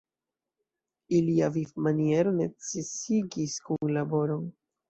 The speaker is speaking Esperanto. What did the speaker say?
Ilia vivmaniero necesigis kunlaboron.